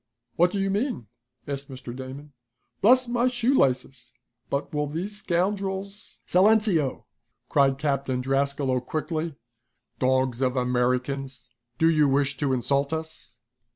"What do you mean?" asked Mr. Damon. "Bless my shoelaces, but will these scoundrels " "Silenceo!" cried Lieutenant Drascalo quickly. "Dogs of Americans, do you wish to insult us?"